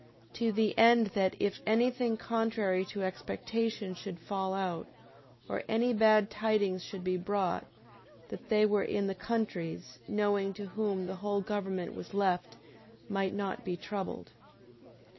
To the end that if any thing contrary to expectation should fall out, or any bad tidings should be brought, they that were in the countries, knowing to whom the whole government was left, might not be troubled.